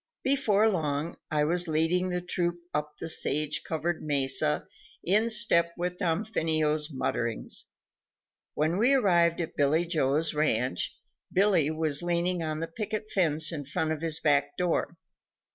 Before long, I was leading the troop up the sage covered mesa in step with Damfino's mutterings. When we arrived at Billy Jones' ranch, Billy was leaning on the picket fence in front of his back door.